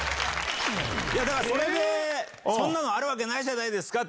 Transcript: だからそれであるわけないじゃないですか！